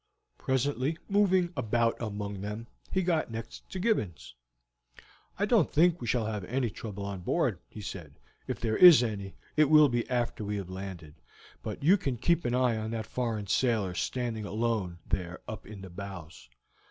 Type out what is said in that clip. Presently, moving about among them, he got next to Gibbons. "I don't think we shall have any trouble on board," he said; "if there is any, it will be after we have landed. But you can keep an eye on that foreign sailor standing alone there up in the bows."